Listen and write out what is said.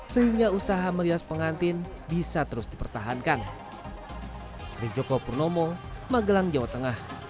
sehingga usaha merias pengantin bisa terus dipertahankan